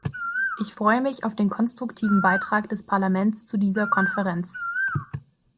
Ich freue mich auf den konstruktiven Beitrag des Parlaments zu dieser Konferenz.